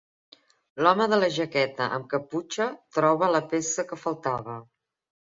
L'home de la jaqueta amb caputxa troba la peça que faltava.